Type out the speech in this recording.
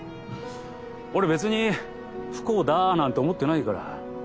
俺別に不幸だなんて思ってないから。